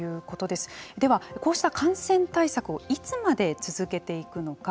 では、こうした感染対策をいつまで続けていくのか。